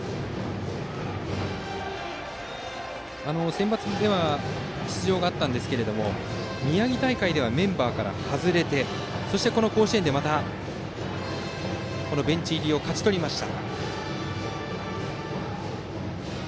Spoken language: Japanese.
センバツでは出場があったんですけれども宮城大会ではメンバーから外れてそして甲子園でまたベンチ入りを勝ち取りました。